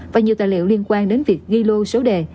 và nhiều tài liệu liên quan đến việc ghi lô số đề